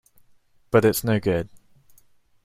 But it's no good.